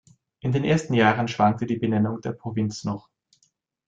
In den ersten Jahren schwankte die Benennung der Provinz noch.